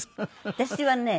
私はね